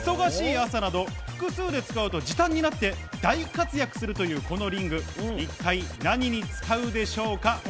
忙しい朝など、複数で使うと時短になって大活躍するというこのリング、一体何に使うでしょうか？